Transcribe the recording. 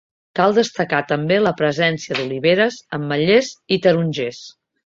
Cal destacar també la presència d'oliveres, ametllers i tarongers.